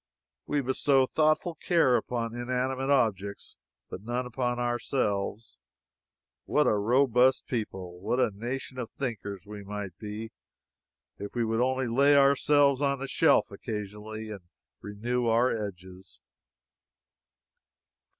We bestow thoughtful care upon inanimate objects, but none upon ourselves. What a robust people, what a nation of thinkers we might be, if we would only lay ourselves on the shelf occasionally and renew our edges!